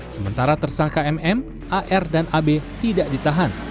sementara tersangka mm ar dan ab tidak ditahan